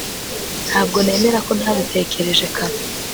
ntabwo nemera ko ntabitekereje kare